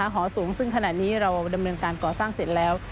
หอสูงซึ่งขณะนี้เราดำเนินการก่อสร้างเสร็จแล้ว